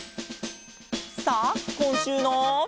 さあこんしゅうの。